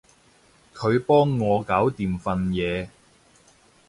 佢幫我搞掂份嘢